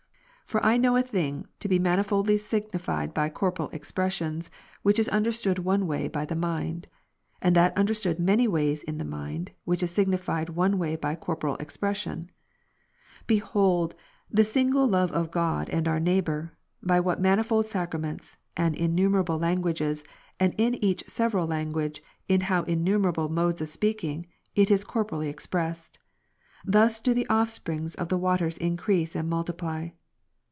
For I know a thing to be manifoldly signified by corporeal expressions, which is understood one way by the mind ; and that under stood many ways in the mind, which is signified one way by corporeal expression. Behold, the single love of God and our neighbour, by what manifold sacraments, and innumerable languages, and in each several language, in how innumerable modes of speaking, it is corporeally expressed. Thus do the oS^^v'u\g^oiih.ewatersincrease and multiply.